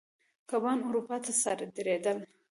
کبان اروپا ته صادرېدل.